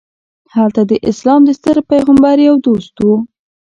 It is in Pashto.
هلته د اسلام د ستر پیغمبر یو دوست و.